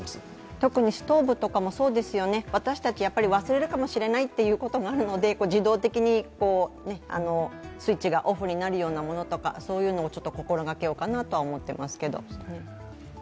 特にストーブとかもそうですよね、私たち忘れるかもしれないということがあるので自動的にスイッチがオフになるようなものとか、そういうのも心がけようかなと思ってますけど。